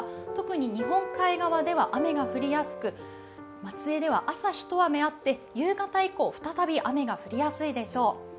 特に日本海側では雨が降りやすく、松江では朝一雨あって、夕方以降、再び雨が降りやすいでしょう。